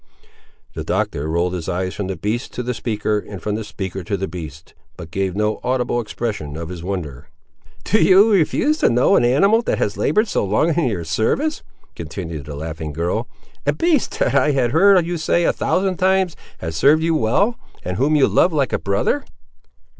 The Doctor rolled his eyes from the beast to the speaker, and from the speaker to the beast; but gave no audible expression of his wonder. "Do you refuse to know an animal that has laboured so long in your service?" continued the laughing girl. "A beast, that I have heard you say a thousand times, has served you well, and whom you loved like a brother!"